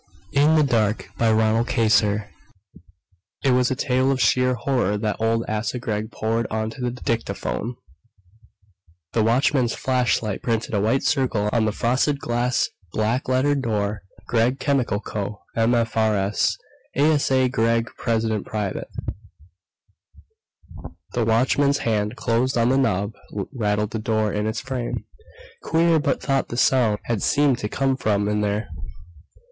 In the Dark By RONAL KAYSER It was a tale of sheer horror that old Asa Gregg poured into the dictaphone The watchman's flashlight printed a white circle on the frosted glass, black lettered door: GREGG CHEMICAL CO., MFRS. ASA GREGG, PRES. PRIVATE The watchman's hand closed on the knob, rattled the door in its frame. Queer, but tonight the sound had seemed to come from in there....